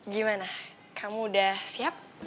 gimana kamu udah siap